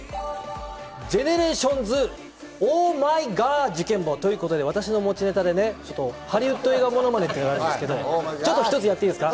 ＧＥＮＥＲＡＴＩＯＮＳ、オーマイガー事件簿ということで私の持ちネタでハリウッド映画モノマネというのがあるんですが一つやっていいですか？